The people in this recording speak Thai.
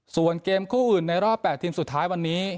ส่วนเกมคู่อื่นในรอบ๘ทีมสุดท้ายวันนี้